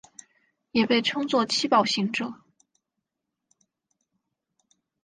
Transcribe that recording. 也被称作七宝行者。